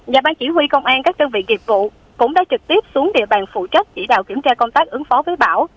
nhà ban chỉ huy công an các đơn vị nghiệp vụ cũng đã trực tiếp xuống địa bàn phụ trách chỉ đạo kiểm tra công tác ứng phó với bão